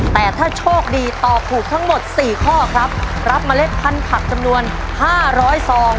แต่ถ้าโชคดีตอบถูกทั้งหมดสี่ข้อครับรับเมล็ดพันธุ์ผักจำนวนห้าร้อยซอง